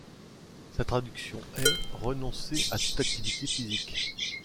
Sa traduction est: renoncer à toute activité physique.